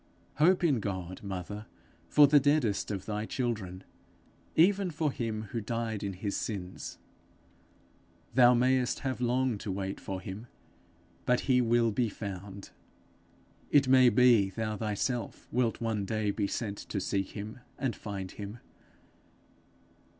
Hope in God, mother, for the deadest of thy children, even for him who died in his sins. Thou mayest have long to wait for him but he will be found. It may be, thou thyself wilt one day be sent to seek him and find him.